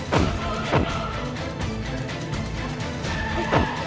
saya sudah percaya